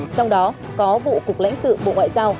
trong đó có vụ cục lãnh sự bộ ngoại giao